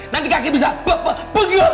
nanti kaki bisa pe pe pegel